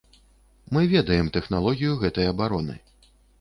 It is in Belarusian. Мы ведаем тэхналогію гэтай абароны.